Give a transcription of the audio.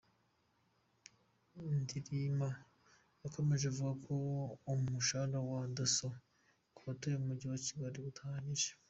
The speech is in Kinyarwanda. Ndirima yakomeje avuga ko umushahara wa Dasso ku batuye mu mujyi wa Kigali, udahagije.